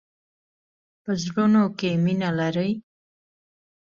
په زړونو کې مینه لری.